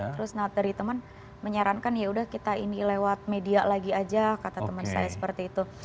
terus dari teman menyarankan yaudah kita ini lewat media lagi aja kata teman saya seperti itu